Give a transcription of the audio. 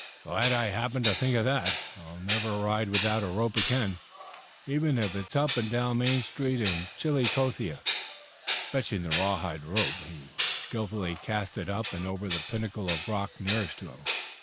"Glad I happened to think of that. I'll never ride out without a rope again, even if it's up and down Main Street in Chillicothe." Fetching the rawhide rope he skilfully cast it up and over the pinnacle of rock nearest to him.